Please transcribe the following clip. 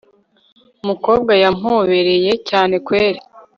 umukobwa yampobereye cyane kweri